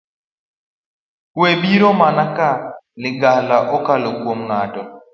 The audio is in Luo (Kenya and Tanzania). Kuwe biro mana ka ligangla okalo kuom ng'ato.